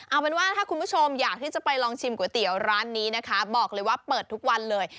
เอาเป็นว่าถ้าคุณผู้ชมอยากที่จะไปลองชิมก๋วยเตี๋ยวร้านนี้นะคะบอกเลยว่าเปิดทุกวันเลย